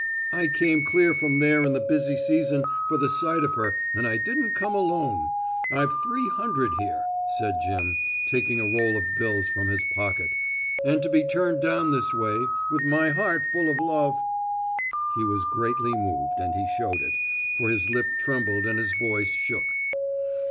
"I came clear from there in the busy season for the sight of her and I didn't come alone. I've three hundred here," said Jim, taking a roll of bills from his pocket. "And to be turned down this way, with my heart full of love " He was greatly moved and he showed it, for his lip trembled and his voice shook.